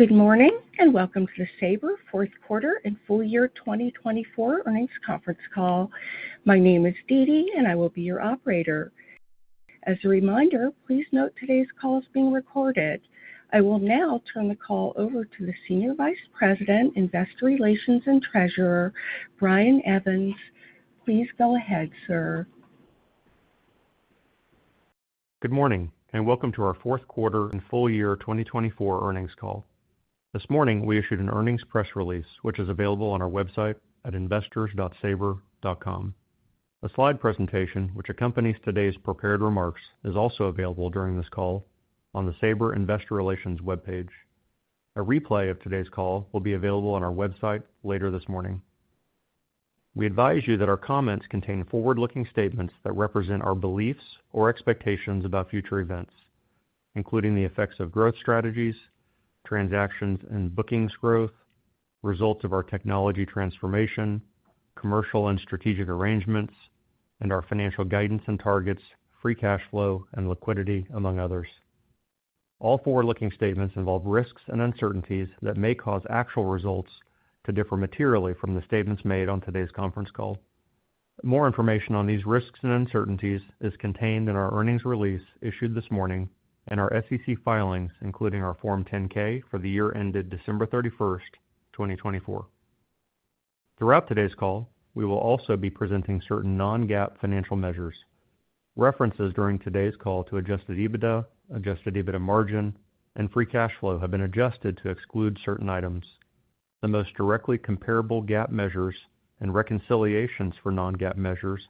Good morning and welcome to the Sabre Fourth Quarter and Full Year 2024 Earnings Conference Call. My name is Dee Dee, and I will be your operator. As a reminder, please note today's call is being recorded. I will now turn the call over to the Senior Vice President, Investor Relations and Treasurer, Brian Evans. Please go ahead, sir. Good morning and welcome to our fourth quarter and full year 2024 earnings call. This morning, we issued an earnings press release, which is available on our website at investors.sabre.com. A slide presentation, which accompanies today's prepared remarks, is also available during this call on the Sabre Investor Relations webpage. A replay of today's call will be available on our website later this morning. We advise you that our comments contain forward-looking statements that represent our beliefs or expectations about future events, including the effects of growth strategies, transactions and bookings growth, results of our technology transformation, commercial and strategic arrangements, and our financial guidance Free cash flow and liquidity, among others. All forward-looking statements involve risks and uncertainties that may cause actual results to differ materially from the statements made on today's conference call. More information on these risks and uncertainties is contained in our earnings release issued this morning and our SEC filings, including our Form 10-K for the year ended December 31st, 2024. Throughout today's call, we will also be presenting certain non-GAAP financial measures. References during today's call to Adjusted EBITDA, Adjusted EBITDA free cash flow have been adjusted to exclude certain items. The most directly comparable GAAP measures and reconciliations for non-GAAP measures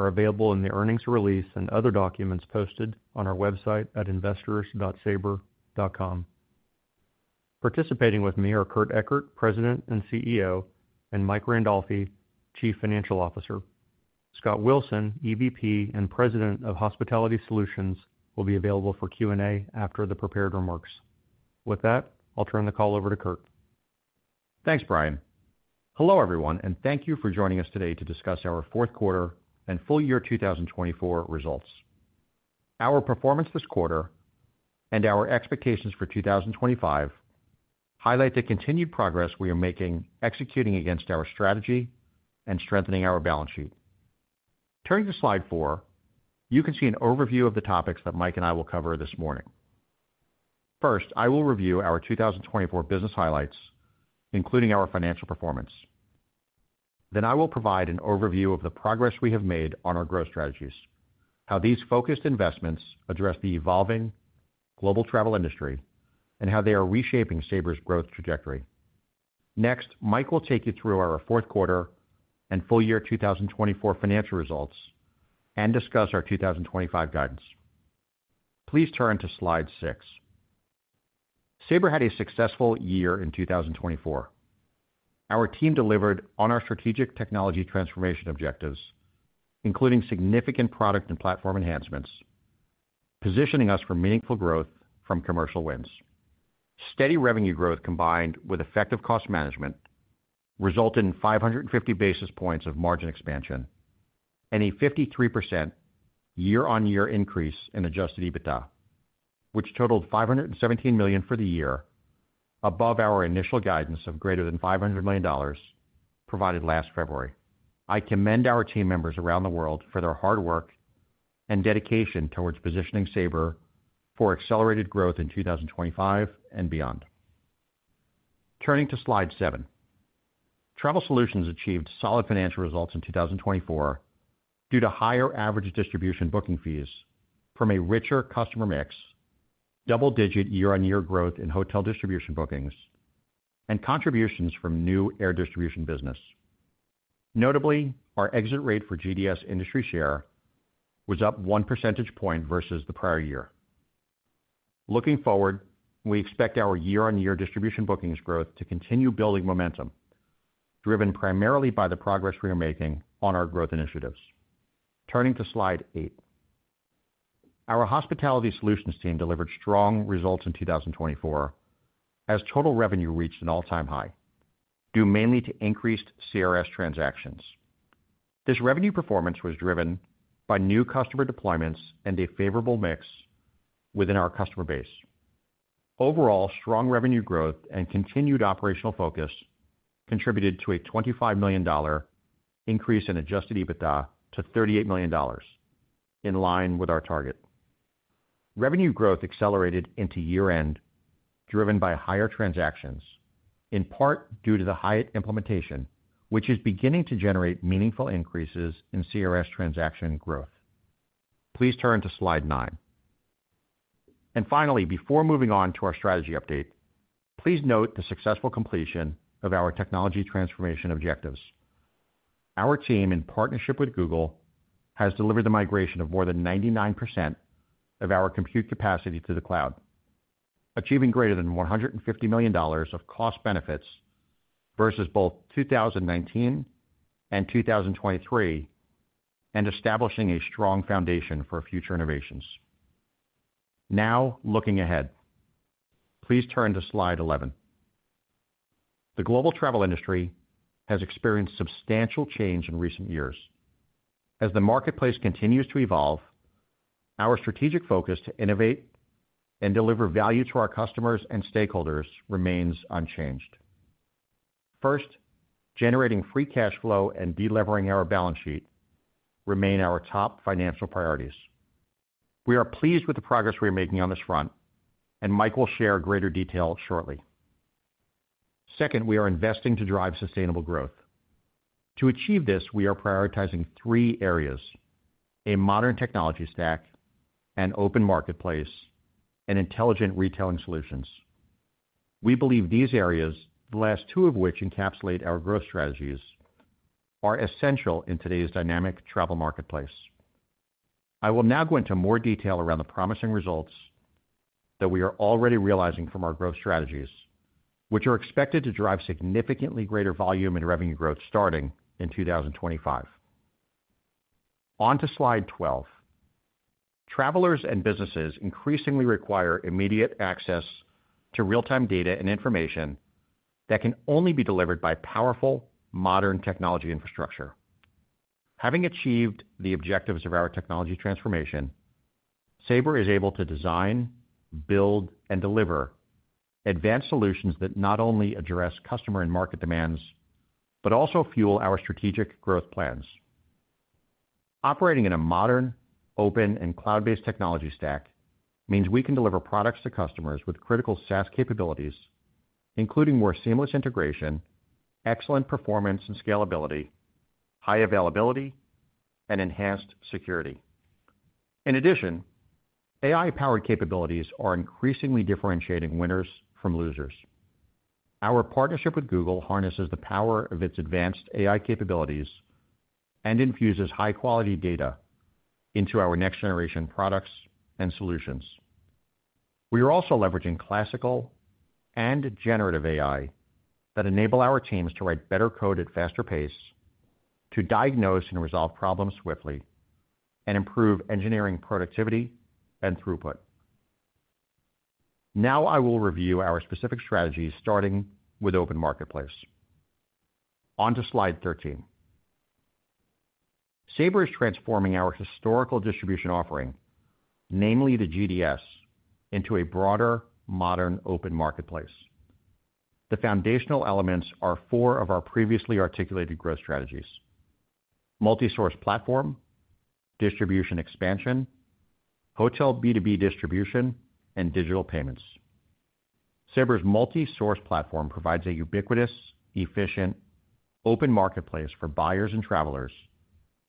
are available in the earnings release and other documents posted on our website at investors.sabre.com. Participating with me are Kurt Ekert, President and CEO, and Mike Randolfi, Chief Financial Officer. Scott Wilson, EVP and President of Hospitality Solutions, will be available for Q&A after the prepared remarks. With that, I'll turn the call over to Kurt. Thanks, Brian. Hello everyone, and thank you for joining us today to discuss our fourth quarter and full year 2024 results. Our performance this quarter and our expectations for 2025 highlight the continued progress we are making executing against our strategy and strengthening our balance sheet. Turning to slide four, you can see an overview of the topics that Mike and I will cover this morning. First, I will review our 2024 business highlights, including our financial performance. Then I will provide an overview of the progress we have made on our growth strategies, how these focused investments address the evolving global travel industry, and how they are reshaping Sabre's growth trajectory. Next, Mike will take you through our fourth quarter and full year 2024 financial results and discuss our 2025 guidance. Please turn to slide six. Sabre had a successful year in 2024. Our team delivered on our strategic technology transformation objectives, including significant product and platform enhancements, positioning us for meaningful growth from commercial wins. Steady revenue growth combined with effective cost management resulted in 550 basis points of margin expansion and a 53% year-on-year increase in Adjusted EBITDA, which totaled $517 million for the year, above our initial guidance of greater than $500 million provided last February. I commend our team members around the world for their hard work and dedication towards positioning Sabre for accelerated growth in 2025 and beyond. Turning to slide seven, Travel Solutions achieved solid financial results in 2024 due to higher average distribution booking fees from a richer customer mix, double-digit year-on-year growth in hotel distribution bookings, and contributions from new air distribution business. Notably, our exit rate for GDS industry share was up one percentage point versus the prior year. Looking forward, we expect our year-on-year distribution bookings growth to continue building momentum, driven primarily by the progress we are making on our growth initiatives. Turning to slide eight, our Hospitality Solutions team delivered strong results in 2024 as total revenue reached an all-time high, due mainly to increased CRS transactions. This revenue performance was driven by new customer deployments and a favorable mix within our customer base. Overall, strong revenue growth and continued operational focus contributed to a $25 million increase in Adjusted EBITDA to $38 million, in line with our target. Revenue growth accelerated into year-end, driven by higher transactions, in part due to the Hyatt implementation, which is beginning to generate meaningful increases in CRS transaction growth. Please turn to slide nine, and finally, before moving on to our strategy update, please note the successful completion of our technology transformation objectives. Our team, in partnership with Google, has delivered the migration of more than 99% of our compute capacity to the cloud, achieving greater than $150 million of cost benefits versus both 2019 and 2023, and establishing a strong foundation for future innovations. Now, looking ahead, please turn to slide 11. The global travel industry has experienced substantial change in recent years. As the marketplace continues to evolve, our strategic focus to innovate and deliver value to our customers and stakeholders remains unchanged. free cash flow and delevering our balance sheet remain our top financial priorities. We are pleased with the progress we are making on this front, and Mike will share greater detail shortly. Second, we are investing to drive sustainable growth. To achieve this, we are prioritizing three areas: a modern technology stack, an open marketplace, and intelligent retailing solutions. We believe these areas, the last two of which encapsulate our growth strategies, are essential in today's dynamic travel marketplace. I will now go into more detail around the promising results that we are already realizing from our growth strategies, which are expected to drive significantly greater volume and revenue growth starting in 2025. On to slide 12. Travelers and businesses increasingly require immediate access to real-time data and information that can only be delivered by powerful, modern technology infrastructure. Having achieved the objectives of our technology transformation, Sabre is able to design, build, and deliver advanced solutions that not only address customer and market demands, but also fuel our strategic growth plans. Operating in a modern, open, and cloud-based technology stack means we can deliver products to customers with critical SaaS capabilities, including more seamless integration, excellent performance and scalability, high availability, and enhanced security. In addition, AI-powered capabilities are increasingly differentiating winners from losers. Our partnership with Google harnesses the power of its advanced AI capabilities and infuses high-quality data into our next-generation products and solutions. We are also leveraging classical and generative AI that enable our teams to write better code at faster pace, to diagnose and resolve problems swiftly, and improve engineering productivity and throughput. Now I will review our specific strategies, starting with open marketplace. On to slide 13. Sabre is transforming our historical distribution offering, namely the GDS, into a broader, modern open marketplace. The foundational elements are four of our previously articulated growth strategies: multi-source platform, distribution expansion, hotel B2B distribution, and digital payments. Sabre's multi-source platform provides a ubiquitous, efficient open marketplace for buyers and travelers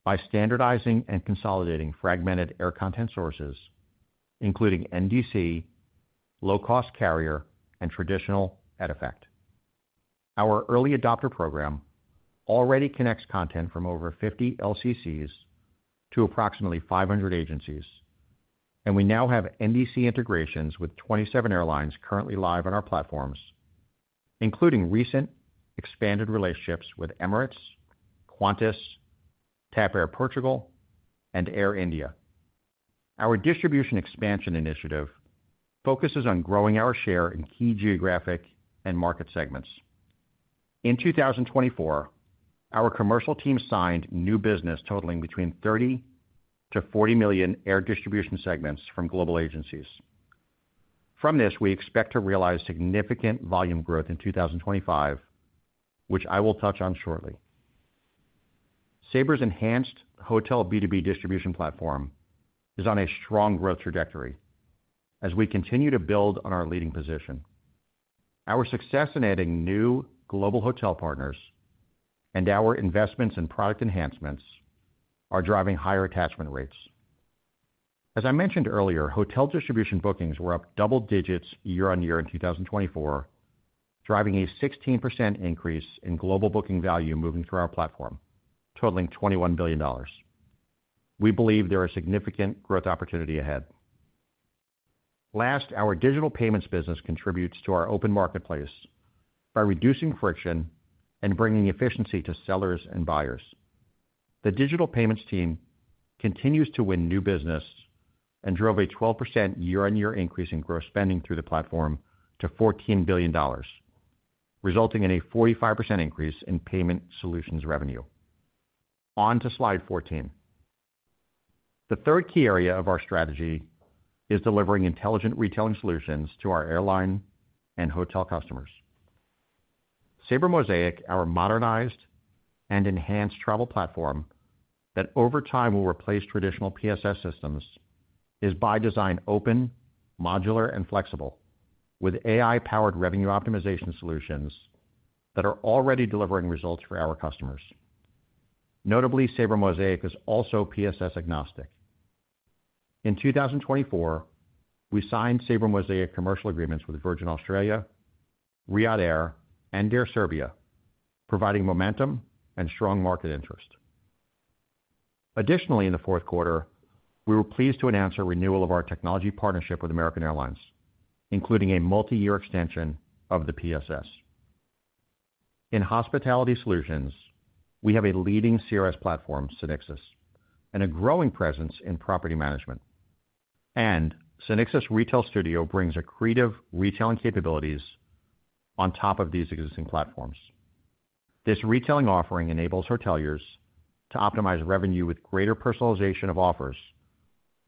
by standardizing and consolidating fragmented air content sources, including NDC, low-cost carrier, and traditional EDIFACT. Our early adopter program already connects content from over 50 LCCs to approximately 500 agencies, and we now have NDC integrations with 27 airlines currently live on our platforms, including recent expanded relationships with Emirates, Qantas, TAP Air Portugal, and Air India. Our distribution expansion initiative focuses on growing our share in key geographic and market segments. In 2024, our commercial team signed new business totaling between 30-40 million air distribution segments from global agencies. From this, we expect to realize significant volume growth in 2025, which I will touch on shortly. Sabre's enhanced hotel B2B distribution platform is on a strong growth trajectory as we continue to build on our leading position. Our success in adding new global hotel partners and our investments in product enhancements are driving higher attachment rates. As I mentioned earlier, hotel distribution bookings were up double digits year-on-year in 2024, driving a 16% increase in global booking value moving through our platform, totaling $21 billion. We believe there is significant growth opportunity ahead. Last, our digital payments business contributes to our open marketplace by reducing friction and bringing efficiency to sellers and buyers. The digital payments team continues to win new business and drove a 12% year-on-year increase in gross spending through the platform to $14 billion, resulting in a 45% increase in payment solutions revenue. On to slide 14. The third key area of our strategy is delivering intelligent retailing solutions to our airline and hotel customers. Sabre Mosaic, our modernized and enhanced travel platform that over time will replace traditional PSS systems, is by design open, modular, and flexible, with AI-powered revenue optimization solutions that are already delivering results for our customers. Notably, Sabre Mosaic is also PSS agnostic. In 2024, we signed Sabre Mosaic commercial agreements with Virgin Australia, Riyadh Air, and Air Serbia, providing momentum and strong market interest. Additionally, in the fourth quarter, we were pleased to announce a renewal of our technology partnership with American Airlines, including a multi-year extension of the PSS. In Hospitality Solutions, we have a leading CRS platform, SynXis, and a growing presence in property management. And SynXis Retail Studio brings accretive retailing capabilities on top of these existing platforms. This retailing offering enables hoteliers to optimize revenue with greater personalization of offers,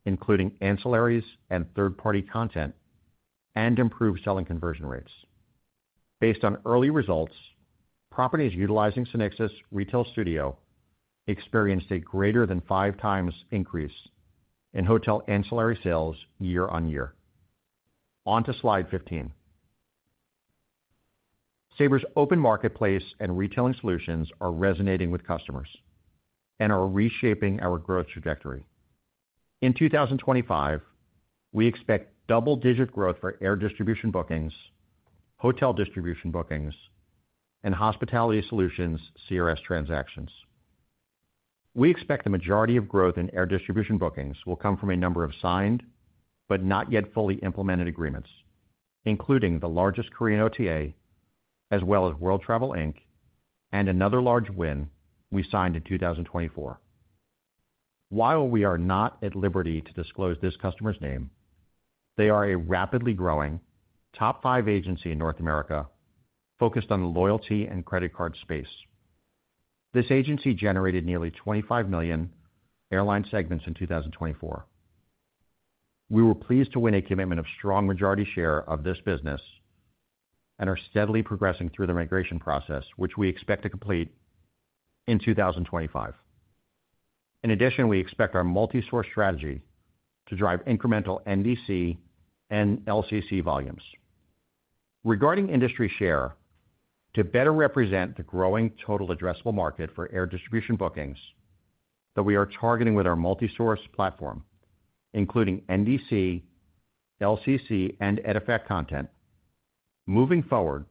including ancillaries and third-party content, and improved selling conversion rates. Based on early results, properties utilizing SynXis Retail Studio experienced a greater than five times increase in hotel ancillary sales year-on-year. On to slide 15. Sabre's open marketplace and retailing solutions are resonating with customers and are reshaping our growth trajectory. In 2025, we expect double-digit growth for air distribution bookings, hotel distribution bookings, and Hospitality Solutions CRS transactions. We expect the majority of growth in air distribution bookings will come from a number of signed but not yet fully implemented agreements, including the largest Korean OTA, as well as World Travel, Inc., and another large win we signed in 2024. While we are not at liberty to disclose this customer's name, they are a rapidly growing top five agency in North America focused on the loyalty and credit card space. This agency generated nearly 25 million airline segments in 2024. We were pleased to win a commitment of strong majority share of this business and are steadily progressing through the migration process, which we expect to complete in 2025. In addition, we expect our multi-source strategy to drive incremental NDC and LCC volumes. Regarding industry share, to better represent the growing total addressable market for air distribution bookings that we are targeting with our multi-source platform, including NDC, LCC, and EDIFACT content, moving forward,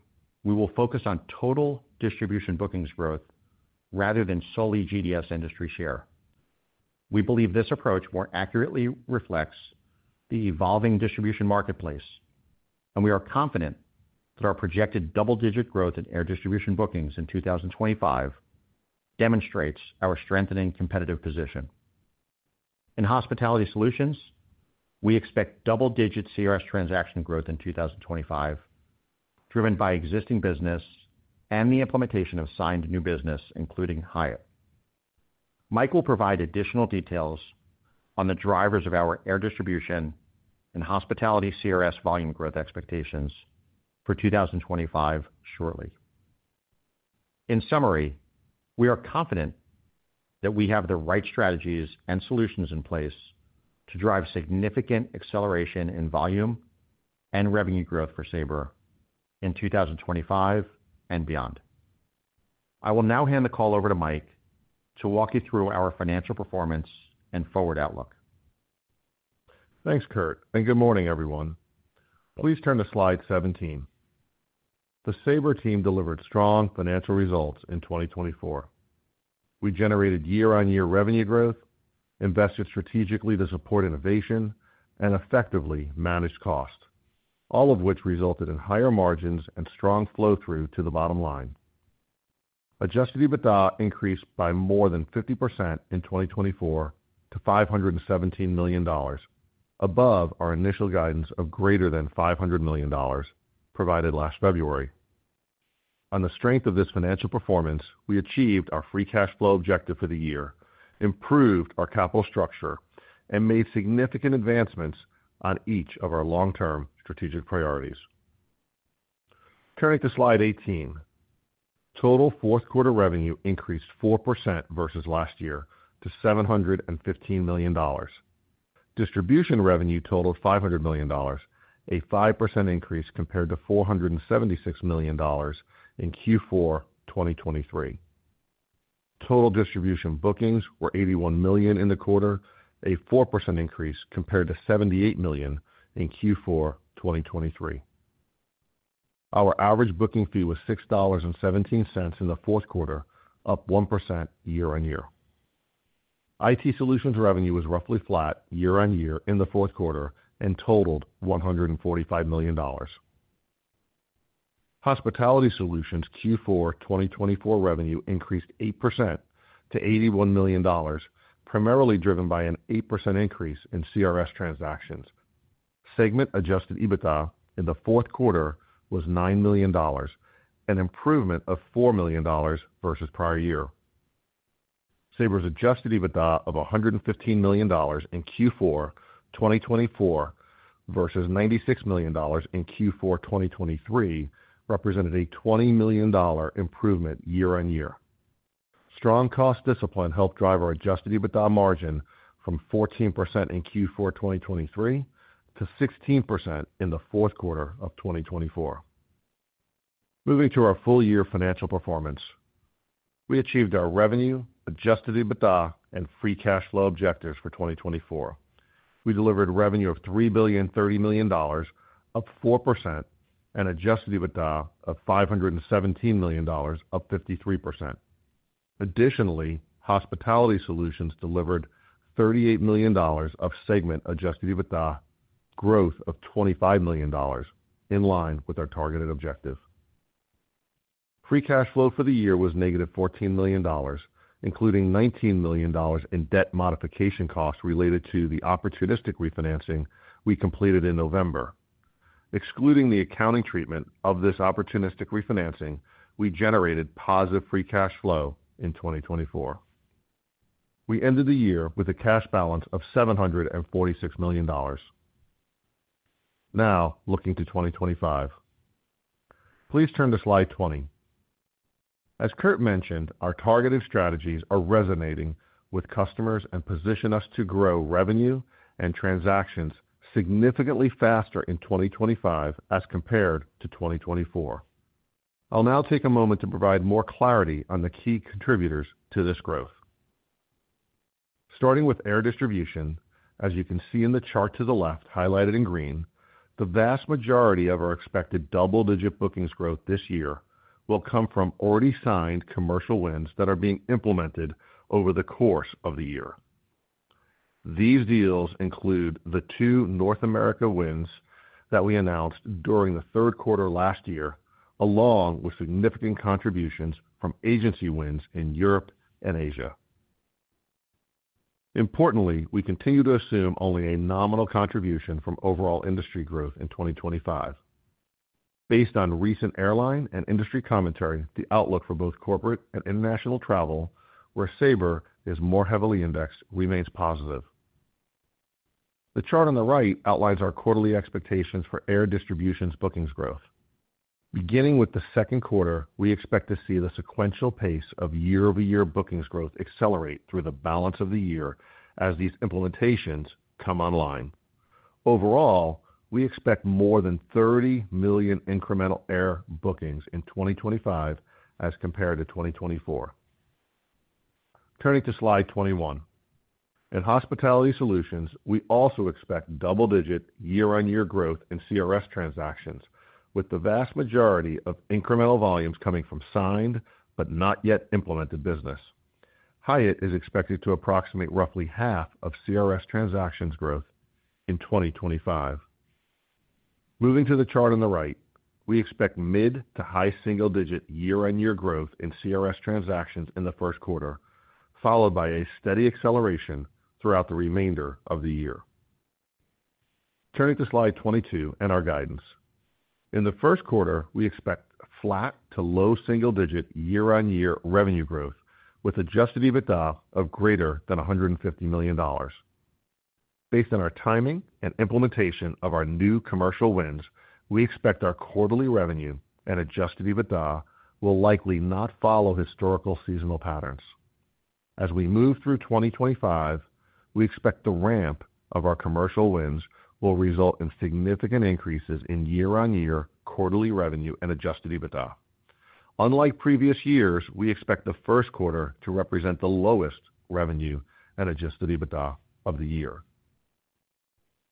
we will focus on total distribution bookings growth rather than solely GDS industry share. We believe this approach more accurately reflects the evolving distribution marketplace, and we are confident that our projected double-digit growth in air distribution bookings in 2025 demonstrates our strengthening competitive position. In Hospitality Solutions, we expect double-digit CRS transaction growth in 2025, driven by existing business and the implementation of signed new business, including Hyatt. Mike will provide additional details on the drivers of our air distribution and hospitality CRS volume growth expectations for 2025 shortly. In summary, we are confident that we have the right strategies and solutions in place to drive significant acceleration in volume and revenue growth for Sabre in 2025 and beyond. I will now hand the call over to Mike to walk you through our financial performance and forward outlook. Thanks, Kurt. And good morning, everyone. Please turn to slide 17. The Sabre team delivered strong financial results in 2024. We generated year-on-year revenue growth, invested strategically to support innovation, and effectively managed cost, all of which resulted in higher margins and strong flow-through to the bottom line. Adjusted EBITDA increased by more than 50% in 2024 to $517 million, above our initial guidance of greater than $500 million provided last February. On the strength of this financial performance, we free cash flow objective for the year, improved our capital structure, and made significant advancements on each of our long-term strategic priorities. Turning to slide 18, total fourth quarter revenue increased 4% versus last year to $715 million. Distribution revenue totaled $500 million, a 5% increase compared to $476 million in Q4 2023. Total distribution bookings were $81 million in the quarter, a 4% increase compared to $78 million in Q4 2023. Our average booking fee was $6.17 in the fourth quarter, up 1% year-on-year. IT Solutions revenue was roughly flat year-on-year in the fourth quarter and totaled $145 million. Hospitality Solutions Q4 2024 revenue increased 8% to $81 million, primarily driven by an 8% increase in CRS transactions. Segment Adjusted EBITDA in the fourth quarter was $9 million, an improvement of $4 million versus prior year. Sabre's Adjusted EBITDA of $115 million in Q4 2024 versus $96 million in Q4 2023 represented a $20 million improvement year-on-year. Strong cost discipline helped drive our Adjusted EBITDA margin from 14% in Q4 2023 to 16% in the fourth quarter of 2024. Moving to our full-year financial performance, we achieved our revenue, Adjusted free cash flow objectives for 2024. We delivered revenue of $3,030,000, up 4%, and Adjusted EBITDA of $517,000,000, up 53%. Additionally, Hospitality Solutions delivered $38 million of segment Adjusted EBITDA, growth of $25 million, in line with our free cash flow for the year was negative $14 million, including $19 million in debt modification costs related to the opportunistic refinancing we completed in November. Excluding the accounting treatment of this opportunistic refinancing, we free cash flow in 2024. We ended the year with a cash balance of $746 million. Now, looking to 2025, please turn to slide 20. As Kurt mentioned, our targeted strategies are resonating with customers and position us to grow revenue and transactions significantly faster in 2025 as compared to 2024. I'll now take a moment to provide more clarity on the key contributors to this growth. Starting with air distribution, as you can see in the chart to the left highlighted in green, the vast majority of our expected double-digit bookings growth this year will come from already signed commercial wins that are being implemented over the course of the year. These deals include the two North America wins that we announced during the third quarter last year, along with significant contributions from agency wins in Europe and Asia. Importantly, we continue to assume only a nominal contribution from overall industry growth in 2025. Based on recent airline and industry commentary, the outlook for both corporate and international travel, where Sabre is more heavily indexed, remains positive. The chart on the right outlines our quarterly expectations for air distribution bookings growth. Beginning with the second quarter, we expect to see the sequential pace of year-over-year bookings growth accelerate through the balance of the year as these implementations come online. Overall, we expect more than 30 million incremental air bookings in 2025 as compared to 2024. Turning to slide 21. In Hospitality Solutions, we also expect double-digit year-over-year growth in CRS transactions, with the vast majority of incremental volumes coming from signed but not yet implemented business. Hyatt is expected to approximate roughly half of CRS transactions growth in 2025. Moving to the chart on the right, we expect mid- to high single-digit year-on-year growth in CRS transactions in the first quarter, followed by a steady acceleration throughout the remainder of the year. Turning to slide 22 and our guidance. In the first quarter, we expect flat to low single-digit year-on-year revenue growth with Adjusted EBITDA of greater than $150 million. Based on our timing and implementation of our new commercial wins, we expect our quarterly revenue and Adjusted EBITDA will likely not follow historical seasonal patterns. As we move through 2025, we expect the ramp of our commercial wins will result in significant increases in year-on-year quarterly revenue and Adjusted EBITDA. Unlike previous years, we expect the first quarter to represent the lowest revenue and Adjusted EBITDA of the year.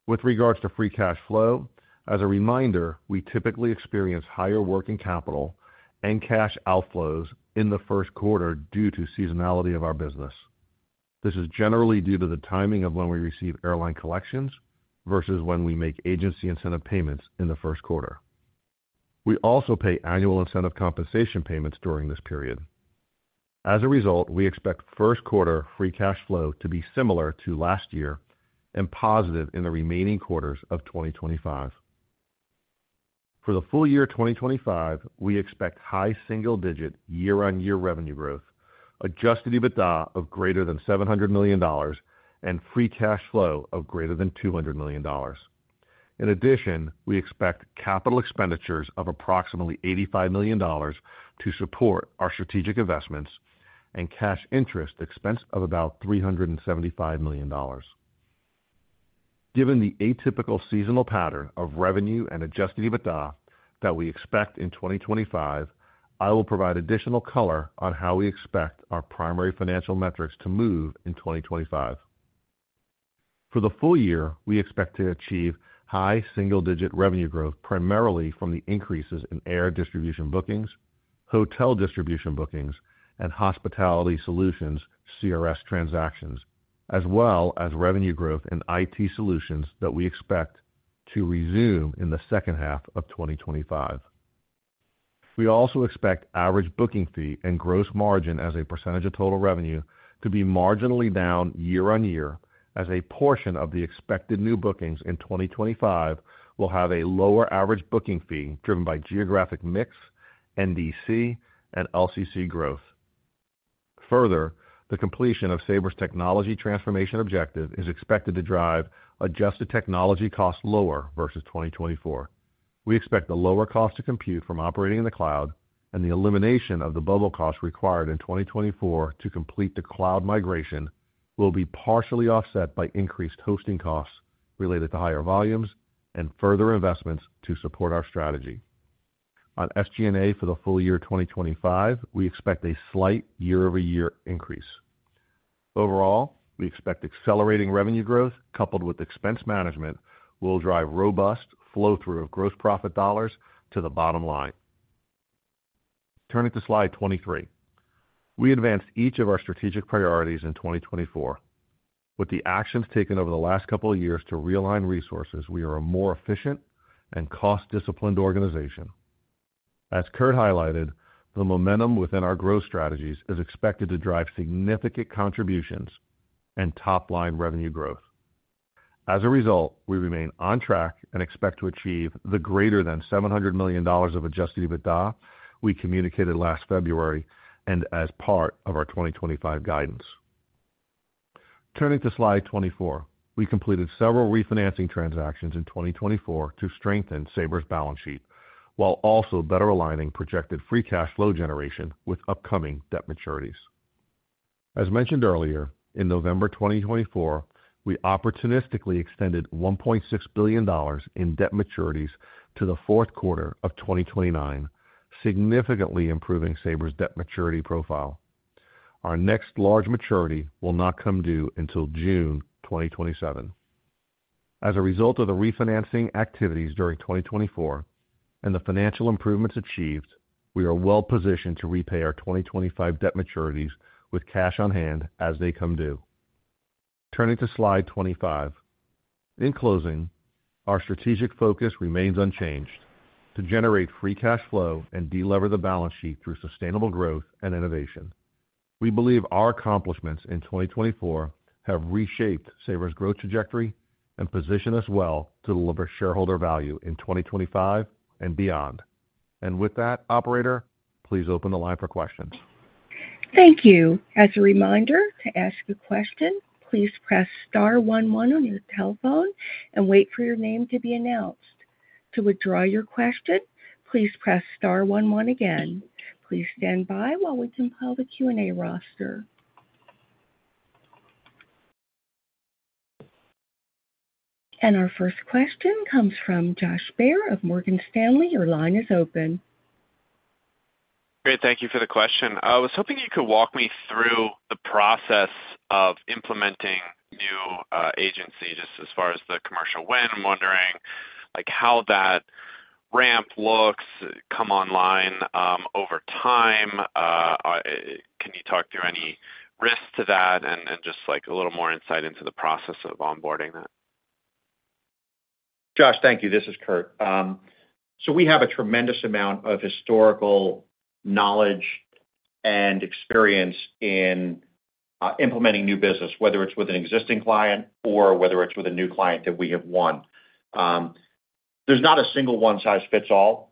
With free cash flow, as a reminder, we typically experience higher working capital and cash outflows in the first quarter due to seasonality of our business. This is generally due to the timing of when we receive airline collections versus when we make agency incentive payments in the first quarter. We also pay annual incentive compensation payments during this period. As a result, we expect free cash flow to be similar to last year and positive in the remaining quarters of 2025. For the full year 2025, we expect high single-digit year-on-year revenue growth, Adjusted EBITDA of greater than $700 free cash flow of greater than $200 million. In addition, we expect capital expenditures of approximately $85 million to support our strategic investments and cash interest expense of about $375 million. Given the atypical seasonal pattern of revenue and Adjusted EBITDA that we expect in 2025, I will provide additional color on how we expect our primary financial metrics to move in 2025. For the full year, we expect to achieve high single-digit revenue growth primarily from the increases in air distribution bookings, hotel distribution bookings, and Hospitality Solutions CRS transactions, as well as revenue growth in IT Solutions that we expect to resume in the second half of 2025. We also expect average booking fee and gross margin as a percentage of total revenue to be marginally down year-on-year as a portion of the expected new bookings in 2025 will have a lower average booking fee driven by geographic mix, NDC, and LCC growth. Further, the completion of Sabre's technology transformation objective is expected to drive adjusted technology costs lower versus 2024. We expect the lower cost to compute from operating in the cloud, and the elimination of the bulge cost required in 2024 to complete the cloud migration will be partially offset by increased hosting costs related to higher volumes and further investments to support our strategy. On SG&A for the full year 2025, we expect a slight year-over-year increase. Overall, we expect accelerating revenue growth coupled with expense management will drive robust flow-through of gross profit dollars to the bottom line. Turning to slide 23, we advanced each of our strategic priorities in 2024. With the actions taken over the last couple of years to realign resources, we are a more efficient and cost-disciplined organization. As Kurt highlighted, the momentum within our growth strategies is expected to drive significant contributions and top-line revenue growth. As a result, we remain on track and expect to achieve the greater than $700 million of Adjusted EBITDA we communicated last February and as part of our 2025 guidance. Turning to slide 24, we completed several refinancing transactions in 2024 to strengthen Sabre's balance sheet while also better free cash flow generation with upcoming debt maturities. As mentioned earlier, in November 2024, we opportunistically extended $1.6 billion in debt maturities to the fourth quarter of 2029, significantly improving Sabre's debt maturity profile. Our next large maturity will not come due until June 2027. As a result of the refinancing activities during 2024 and the financial improvements achieved, we are well-positioned to repay our 2025 debt maturities with cash on hand as they come due. Turning to slide 25. In closing, our strategic focus remains unchanged free cash flow and delever the balance sheet through sustainable growth and innovation. We believe our accomplishments in 2024 have reshaped Sabre's growth trajectory and positioned us well to deliver shareholder value in 2025 and beyond. And with that, Operator, please open the line for questions. Thank you. As a reminder, to ask a question, please press star 11 on your telephone and wait for your name to be announced. To withdraw your question, please press star 11 again. Please stand by while we compile the Q&A roster. And our first question comes from Joshua Baer of Morgan Stanley. Your line is open. Great. Thank you for the question. I was hoping you could walk me through the process of implementing new agency just as far as the commercial win. I'm wondering how that ramp looks come online over time. Can you talk through any risks to that and just a little more insight into the process of onboarding that? Josh, thank you. This is Kurt. So we have a tremendous amount of historical knowledge and experience in implementing new business, whether it's with an existing client or whether it's with a new client that we have won. There's not a single one-size-fits-all.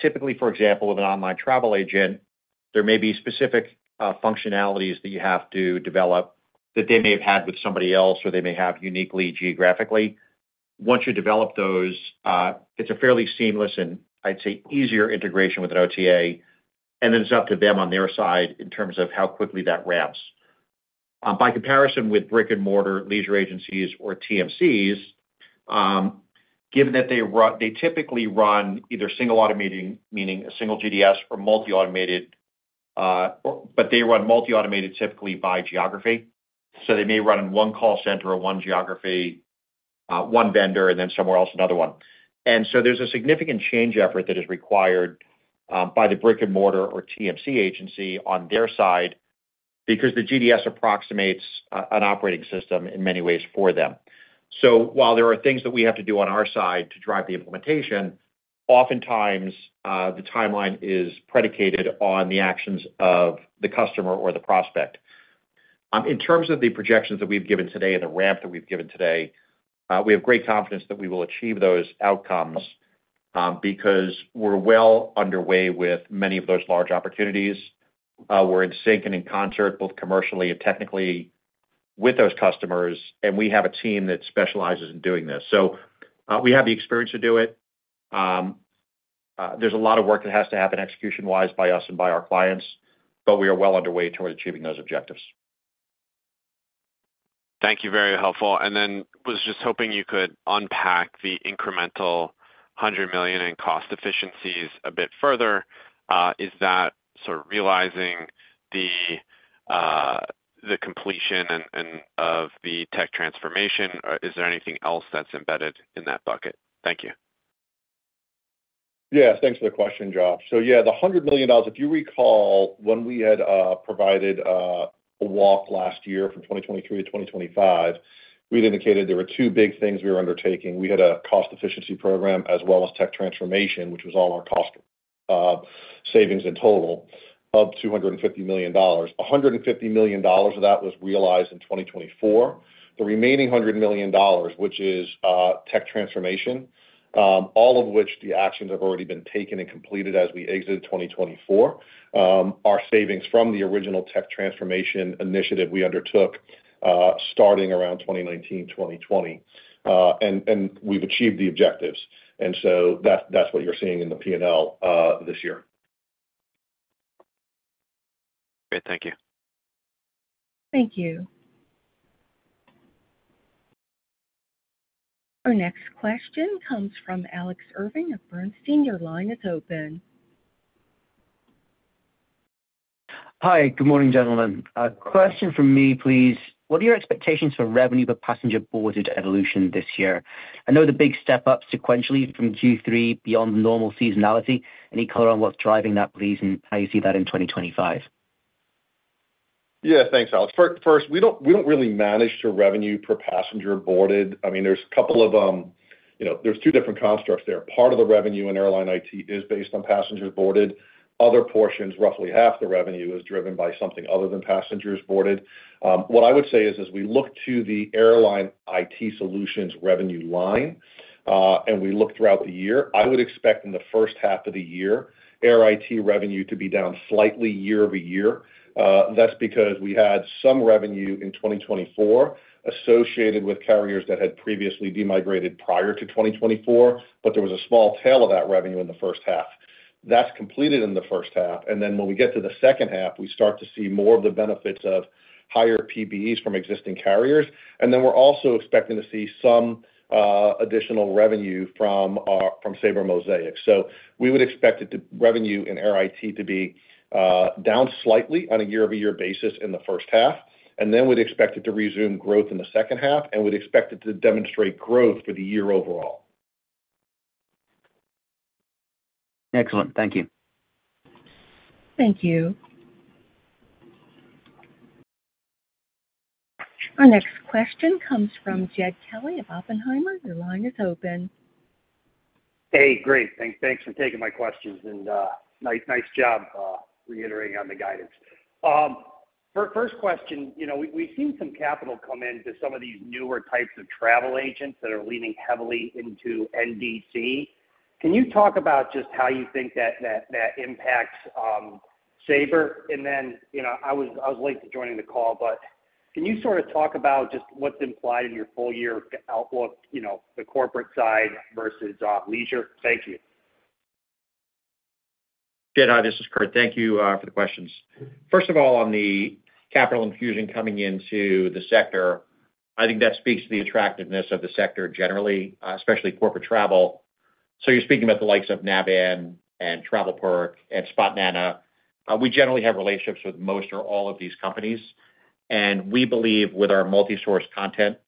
Typically, for example, with an online travel agent, there may be specific functionalities that you have to develop that they may have had with somebody else or they may have uniquely geographically. Once you develop those, it's a fairly seamless and, I'd say, easier integration with an OTA, and then it's up to them on their side in terms of how quickly that ramps. By comparison with brick-and-mortar leisure agencies or TMCs, given that they typically run either single automated, meaning a single GDS or multi-automated, but they run multi-automated typically by geography. So they may run in one call center or one geography, one vendor, and then somewhere else another one. And so there's a significant change effort that is required by the brick-and-mortar or TMC agency on their side because the GDS approximates an operating system in many ways for them. So while there are things that we have to do on our side to drive the implementation, oftentimes the timeline is predicated on the actions of the customer or the prospect. In terms of the projections that we've given today and the ramp that we've given today, we have great confidence that we will achieve those outcomes because we're well underway with many of those large opportunities. We're in sync and in concert both commercially and technically with those customers, and we have a team that specializes in doing this. So we have the experience to do it. There's a lot of work that has to happen execution-wise by us and by our clients, but we are well underway toward achieving those objectives. Thank you, very helpful. And then was just hoping you could unpack the incremental $100 million in cost efficiencies a bit further. Is that sort of realizing the completion and of the tech transformation, or is there anything else that's embedded in that bucket? Thank you. Yeah. Thanks for the question, Josh. So yeah, the $100 million, if you recall, when we had provided a walk last year from 2023 to 2025, we'd indicated there were two big things we were undertaking. We had a cost efficiency program as well as tech transformation, which was all our cost savings in total of $250 million. $150 million of that was realized in 2024. The remaining $100 million, which is tech transformation, all of which the actions have already been taken and completed as we exited 2024, are savings from the original tech transformation initiative we undertook starting around 2019, 2020. And we've achieved the objectives. And so that's what you're seeing in the P&L this year. Great. Thank you. Thank you. Our next question comes from Alex Irving of Bernstein. Your line is open. Hi. Good morning, gentlemen. Question from me, please. What are your expectations for revenue for passenger boarding revenue this year? I know the big step-up sequentially from Q3 beyond normal seasonality. Any color on what's driving that, please, and how you see that in 2025? Yeah. Thanks, Alex. First, we don't really manage the revenue per passenger-boarded. I mean, there's two different constructs there. Part of the revenue in airline IT is based on passengers boarded. Other portions, roughly half the revenue is driven by something other than passengers boarded. What I would say is, as we look to the airline IT Solutions revenue line and we look throughout the year, I would expect in the first half of the year, air IT revenue to be down slightly year-over-year. That's because we had some revenue in 2024 associated with carriers that had previously demigrated prior to 2024, but there was a small tail of that revenue in the first half. That's completed in the first half. And then when we get to the second half, we start to see more of the benefits of higher PBs from existing carriers. And then we're also expecting to see some additional revenue from Sabre Mosaic. So we would expect revenue in air IT to be down slightly on a year-over-year basis in the first half. And then we'd expect it to resume growth in the second half, and we'd expect it to demonstrate growth for the year overall. Excellent. Thank you. Thank you. Our next question comes from Jed Kelly of Oppenheimer. Your line is open. Hey, great. Thanks for taking my questions. And nice job reiterating on the guidance. First question, we've seen some capital come into some of these newer types of travel agents that are leaning heavily into NDC. Can you talk about just how you think that impacts Sabre? And then I was late to joining the call, but can you sort of talk about just what's implied in your full year outlook, the corporate side versus leisure? Thank you. Jed, hi. This is Kurt. Thank you for the questions. First of all, on the capital infusion coming into the sector, I think that speaks to the attractiveness of the sector generally, especially corporate travel. So you're speaking about the likes of Navan and TravelPerk and Spotnana. We generally have relationships with most or all of these companies. And we believe with our multi-source content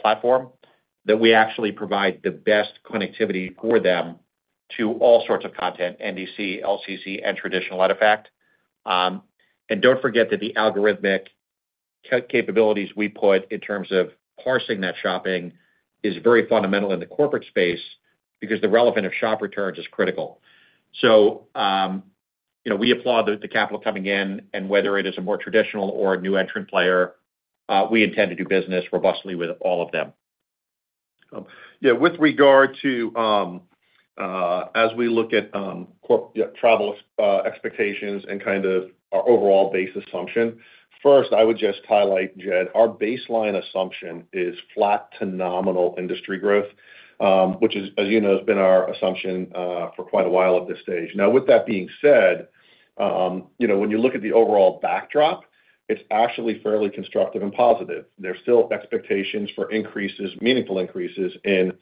platform that we actually provide the best connectivity for them to all sorts of content, NDC, LCC, and traditional EDIFACT. And don't forget that the algorithmic capabilities we put in terms of parsing that shopping is very fundamental in the corporate space because the relevance of shop returns is critical. So we applaud the capital coming in, and whether it is a more traditional or a new entrant player, we intend to do business robustly with all of them. Yeah. With regard to, as we look at travel expectations and kind of our overall base assumption, first, I would just highlight, Jed, our baseline assumption is flat to nominal industry growth, which, as you know, has been our assumption for quite a while at this stage. Now, with that being said, when you look at the overall backdrop, it's actually fairly constructive and positive. There's still expectations for meaningful increases in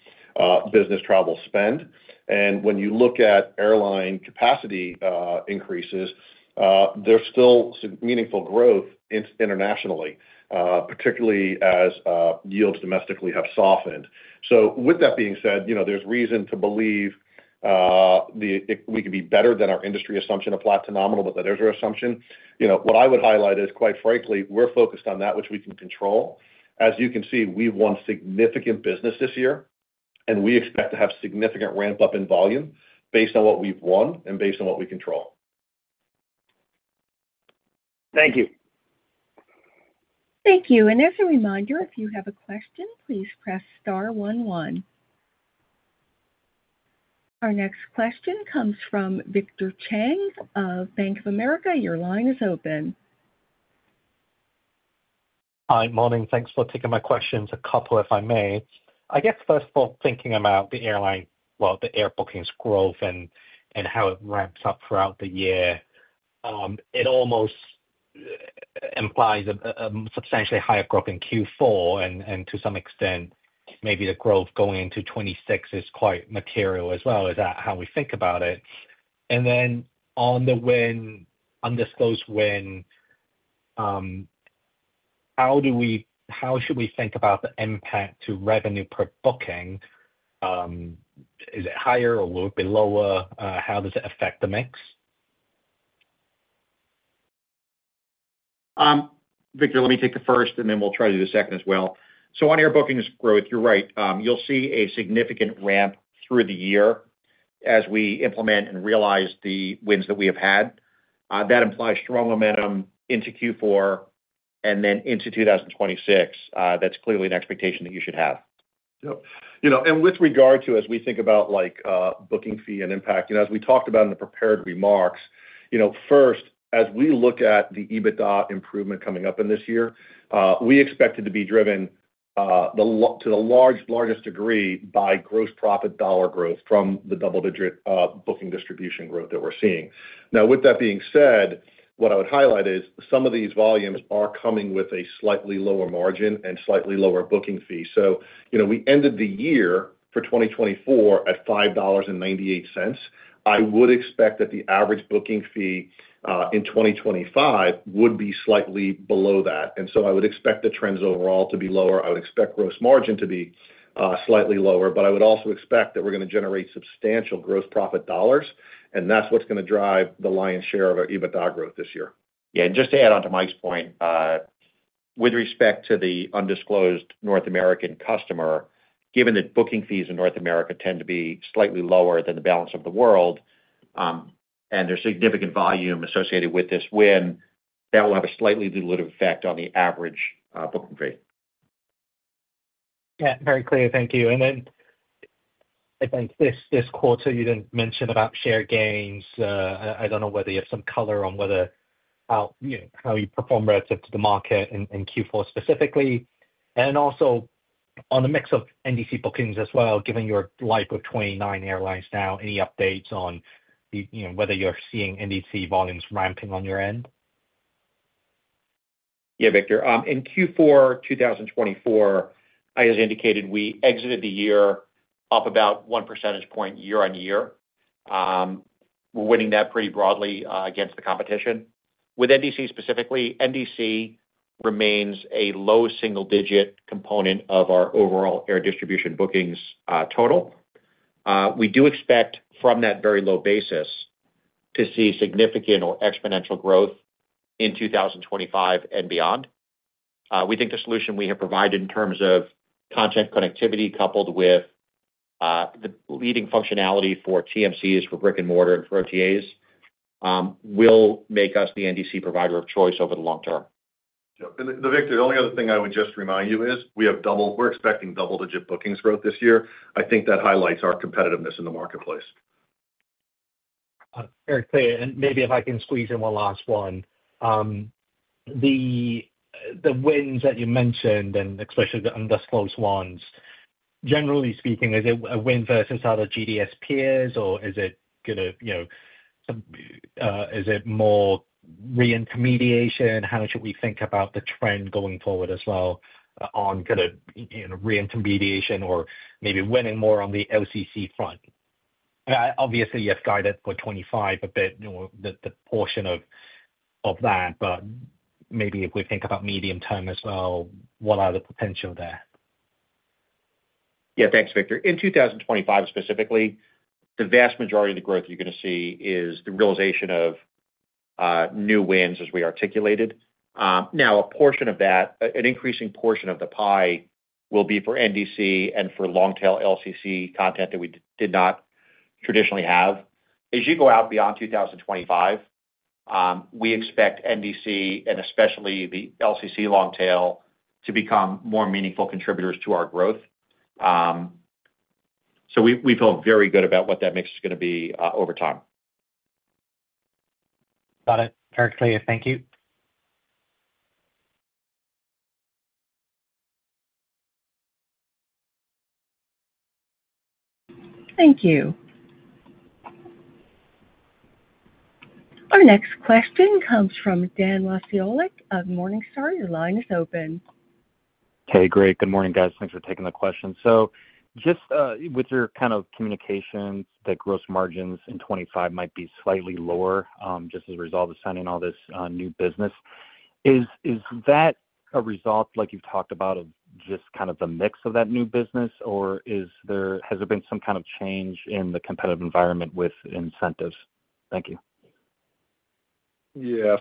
business travel spend, and when you look at airline capacity increases, there's still meaningful growth internationally, particularly as yields domestically have softened, so with that being said, there's reason to believe we could be better than our industry assumption of flat to nominal, but that is our assumption. What I would highlight is, quite frankly, we're focused on that, which we can control. As you can see, we've won significant business this year, and we expect to have significant ramp-up in volume based on what we've won and based on what we control. Thank you. Thank you. And as a reminder, if you have a question, please press star 11. Our next question comes from Victor Cheng of Bank of America. Your line is open. Hi. Morning. Thanks for taking my questions. A couple, if I may. I guess, first of all, thinking about the airline, well, the air bookings growth and how it ramps up throughout the year, it almost implies a substantially higher growth in Q4. And to some extent, maybe the growth going into 2026 is quite material as well as how we think about it. And then on the disclosed win, how should we think about the impact to revenue per booking? Is it higher or will it be lower? How does it affect the mix? Victor, let me take the first, and then we'll try to do the second as well. So on air bookings growth, you're right. You'll see a significant ramp through the year as we implement and realize the wins that we have had. That implies strong momentum into Q4 and then into 2026. That's clearly an expectation that you should have. Yep. And with regard to, as we think about booking fee and impact, as we talked about in the prepared remarks, first, as we look at the EBITDA improvement coming up in this year, we expect it to be driven to the largest degree by gross profit dollar growth from the double-digit booking distribution growth that we're seeing. Now, with that being said, what I would highlight is some of these volumes are coming with a slightly lower margin and slightly lower booking fee. So we ended the year for 2024 at $5.98. I would expect that the average booking fee in 2025 would be slightly below that. And so I would expect the trends overall to be lower. I would expect gross margin to be slightly lower, but I would also expect that we're going to generate substantial gross profit dollars, and that's what's going to drive the lion's share of our EBITDA growth this year. Yeah. And just to add on to Mike's point, with respect to the undisclosed North American customer, given that booking fees in North America tend to be slightly lower than the balance of the world, and there's significant volume associated with this win, that will have a slightly diluted effect on the average booking fee. Yeah. Very clear. Thank you. And then I think this quarter, you didn't mention about share gains. I don't know whether you have some color on how you perform relative to the market in Q4 specifically. And then also on the mix of NDC bookings as well, given your live of 29 airlines now, any updates on whether you're seeing NDC volumes ramping on your end? Yeah, Victor. In Q4 2024, as indicated, we exited the year up about one percentage point year on year. We're winning that pretty broadly against the competition. With NDC specifically, NDC remains a low single-digit component of our overall air distribution bookings total. We do expect from that very low basis to see significant or exponential growth in 2025 and beyond. We think the solution we have provided in terms of content connectivity coupled with the leading functionality for TMCs, for brick-and-mortar, and for OTAs will make us the NDC provider of choice over the long term. Yep. And Victor, the only other thing I would just remind you is we're expecting double-digit bookings growth this year. I think that highlights our competitiveness in the marketplace. Very clear. And maybe if I can squeeze in one last one, the wins that you mentioned, and especially the undisclosed ones, generally speaking, is it a win versus other GDS peers, or is it more reintermediation? How should we think about the trend going forward as well on kind of reintermediation or maybe winning more on the LCC front? Obviously, you have guided for 2025 a bit, the portion of that, but maybe if we think about medium term as well, what are the potential there? Yeah. Thanks, Victor. In 2025 specifically, the vast majority of the growth you're going to see is the realization of new wins, as we articulated. Now, an increasing portion of the pie will be for NDC and for long-tail LCC content that we did not traditionally have. As you go out beyond 2025, we expect NDC and especially the LCC long-tail to become more meaningful contributors to our growth. So we feel very good about what that mix is going to be over time. Got it. Very clear. Thank you. Thank you. Our next question comes from Dan Wasiolek of Morningstar. Your line is open. Hey, great. Good morning, guys. Thanks for taking the question. So just with your kind of communications, the gross margins in 2025 might be slightly lower just as a result of signing all this new business. Is that a result, like you've talked about, of just kind of the mix of that new business, or has there been some kind of change in the competitive environment with incentives? Thank you. Yeah.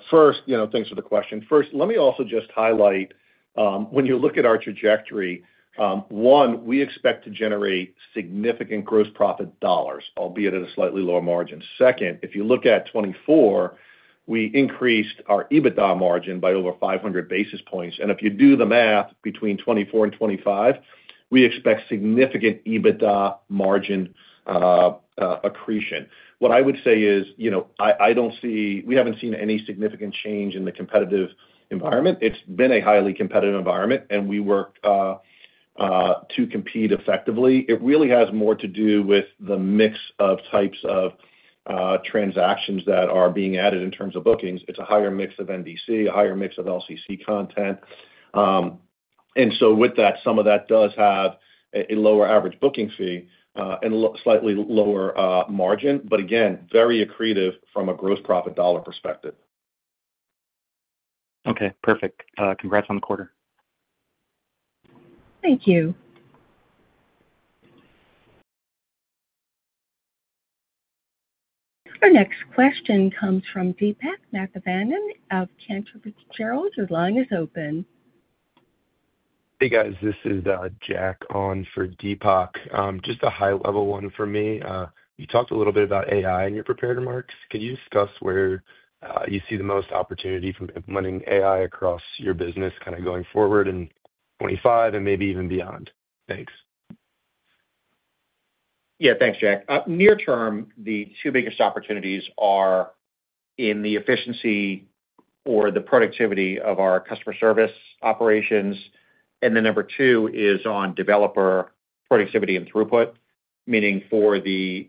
Thanks for the question. First, let me also just highlight, when you look at our trajectory, one, we expect to generate significant gross profit dollars, albeit at a slightly lower margin. Second, if you look at 2024, we increased our EBITDA margin by over 500 basis points. And if you do the math between 2024 and 2025, we expect significant EBITDA margin accretion. What I would say is I don't see. We haven't seen any significant change in the competitive environment. It's been a highly competitive environment, and we work to compete effectively. It really has more to do with the mix of types of transactions that are being added in terms of bookings. It's a higher mix of NDC, a higher mix of LCC content. And so with that, some of that does have a lower average booking fee and slightly lower margin, but again, very accretive from a gross profit dollar perspective. Okay. Perfect. Congrats on the quarter. Thank you. Our next question comes from Deepak Mathivanan of Cantor Fitzgerald. Your line is open. Hey, guys. This is Jack on for Deepak. Just a high-level one for me. You talked a little bit about AI in your prepared remarks. Could you discuss where you see the most opportunity from implementing AI across your business kind of going forward in 2025 and maybe even beyond? Thanks. Yeah. Thanks, Jack. Near-term, the two biggest opportunities are in the efficiency or the productivity of our customer service operations. And then number two is on developer productivity and throughput, meaning for the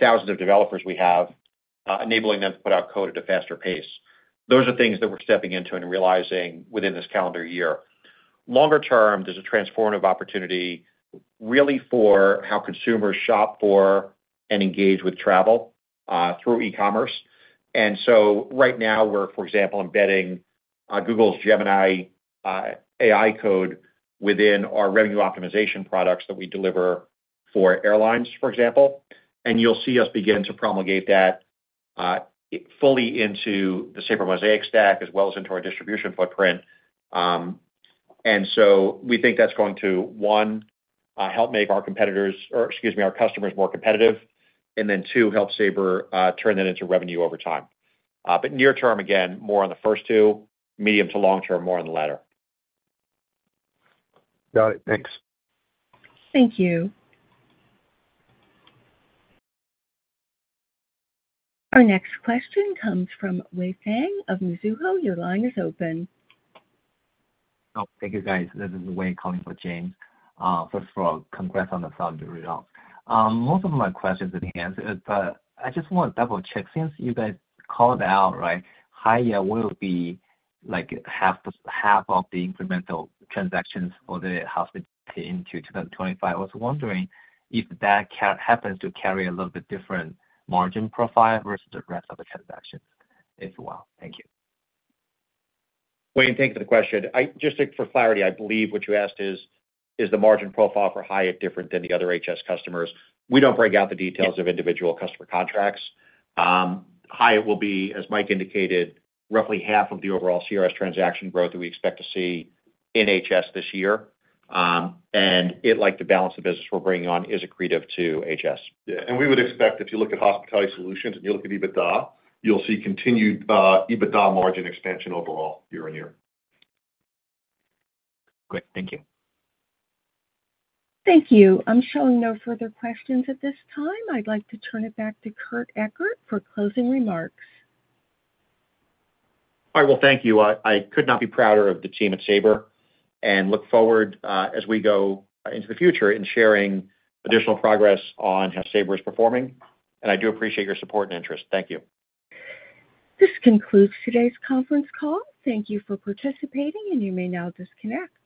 thousands of developers we have, enabling them to put out code at a faster pace. Those are things that we're stepping into and realizing within this calendar year. Longer term, there's a transformative opportunity really for how consumers shop for and engage with travel through e-commerce. And so right now, we're, for example, embedding Google's Gemini AI code within our revenue optimization products that we deliver for airlines, for example. And you'll see us begin to promulgate that fully into the Sabre Mosaic stack as well as into our distribution footprint. And so we think that's going to, one, help make our competitors or, excuse me, our customers more competitive, and then, two, help Sabre turn that into revenue over time. But near-term, again, more on the first two. Medium to long-term, more on the latter. Got it. Thanks. Thank you. Our next question comes from Wei Fang of Mizuho. Your line is open. Oh, thank you, guys. This is Wei calling for James. First of all, congrats on the solid results. Most of my questions have been answered, but I just want to double-check. Since you guys called out, right, hotels will be half of the incremental transactions for the hospitality into 2025. I was wondering if that happens to carry a little bit different margin profile versus the rest of the transactions as well. Thank you. Wei, thank you for the question. Just for clarity, I believe what you asked is, is the margin profile for Hyatt different than the other HS customers? We don't break out the details of individual customer contracts. Hyatt will be, as Mike indicated, roughly half of the overall CRS transaction growth that we expect to see in HS this year. And it, like the balance of business we're bringing on, is accretive to HS. Yeah. And we would expect if you look at Hospitality Solutions and you look at EBITDA, you'll see continued EBITDA margin expansion overall year on year. Great. Thank you. Thank you. I'm showing no further questions at this time. I'd like to turn it back to Kurt Ekert for closing remarks. All right. Well, thank you. I could not be prouder of the team at Sabre and look forward as we go into the future in sharing additional progress on how Sabre is performing, and I do appreciate your support and interest. Thank you. This concludes today's conference call. Thank you for participating, and you may now disconnect.